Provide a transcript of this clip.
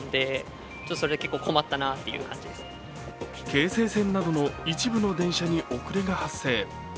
京成線などの一部の電車に遅れが発生。